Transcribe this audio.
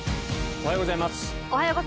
おはようございます。